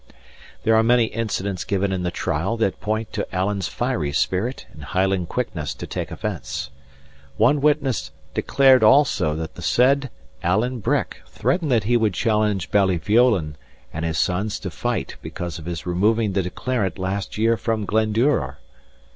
There are many incidents given in the trial that point to Alan's fiery spirit and Highland quickness to take offence. One witness "declared also That the said Alan Breck threatened that he would challenge Ballieveolan and his sons to fight because of his removing the declarant last year from Glenduror."